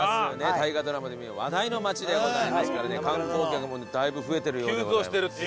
大河ドラマでも今話題の街でございますからね観光客もだいぶ増えてるようでございます。